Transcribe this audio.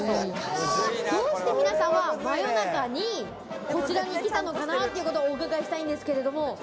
どうして皆さんは真夜中にこちらに来たのかなということを、お伺いしたいんですけれども。